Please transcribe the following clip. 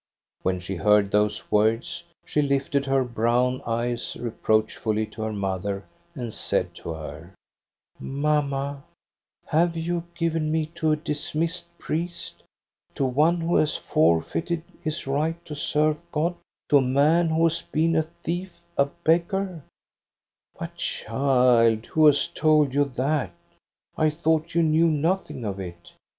When she heard those words she lifted her brown eyes reproachfully to her mother, and said to her: —"* Mamma, have you given me to a dismissed priest, to one who has forfeited his right to serve God, to a man who has been a thief, a beggar }'"* But, child, who has told you that } I thought you knew nothing of it.